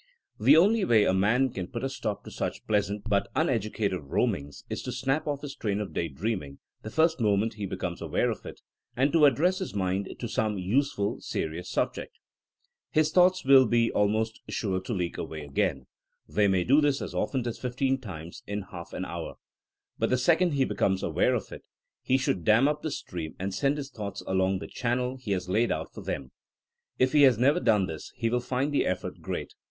The only way a man can put a stop to such pleasant but uneducative roamings, is to snap off his train of day dreaming the first moment he becomes aware of it, and to address his mind to some useful serious subject. His thoughts will be almost sure to leak away again. They 84 THINEINa AS A SCIENCE may do this as often as fifteen times in half an hour. But the second he becomes aware of it he should dam up the stream and send his thoughts along the channel he has laid out for them. If he has never done this he will find the effort great.